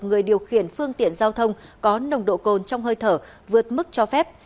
người điều khiển phương tiện giao thông có nồng độ cồn trong hơi thở vượt mức cho phép